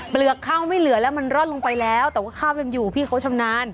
ข้าวไม่เหลือแล้วมันร่อนลงไปแล้วแต่ว่าข้าวยังอยู่พี่เขาชำนาญ